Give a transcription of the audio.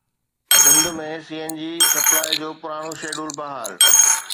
Sindh ۾ C N G سپلاءِ جو پراڻو شيڊول بحال